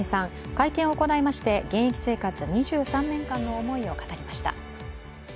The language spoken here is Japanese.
会見を行いまして、現役生活２３年間の思いを語りました。